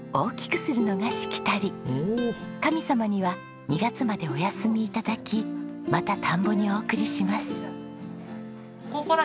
神様には２月までお休み頂きまた田んぼにお送りします。